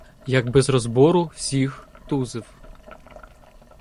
Як без розбору всіх тузив.